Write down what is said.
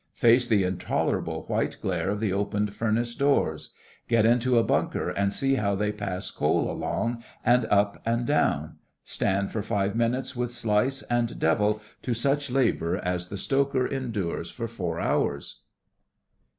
Face the intolerable white glare of the opened furnace doors; get into a bunker and see how they pass coal along and up and down; stand for five minutes with slice and 'devil' to such labour as the stoker endures for four hours.